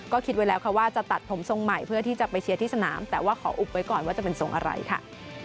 ก็คิดไว้แล้วค่ะว่าจะตัดผมทรงใหม่เพื่อที่จะไปเชียร์ที่สนามแต่ว่าขออุบไว้ก่อนว่าจะเป็นทรงอะไรค่ะ